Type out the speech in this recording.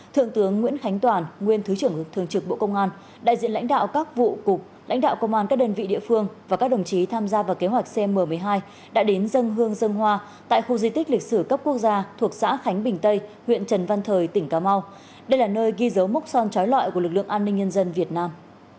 thượng tướng nguyễn khánh toàn nguyên thứ trưởng thường trực bộ công an đại diện lãnh đạo các vụ cục lãnh đạo công an các đơn vị địa phương và các đồng chí tham gia vào kế hoạch cm một mươi hai đã đến dân hương dân hoa tại khu di tích lịch sử cấp quốc gia thuộc xã khánh bình tây huyện trần văn thời tỉnh cà mau đây là nơi ghi dấu mốc son trói loại của lực lượng an ninh nhân dân việt nam